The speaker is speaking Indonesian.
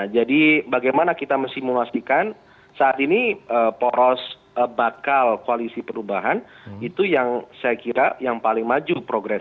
bagaimana kita mensimulasikan saat ini poros bakal koalisi perubahan itu yang saya kira yang paling maju progres